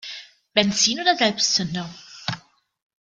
Benzin oder Selbstzünder?